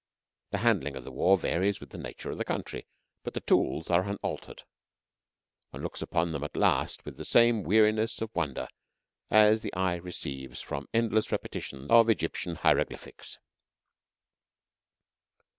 The handling of the war varies with the nature of the country, but the tools are unaltered. One looks upon them at last with the same weariness of wonder as the eye receives from endless repetitions of Egyptian hieroglyphics.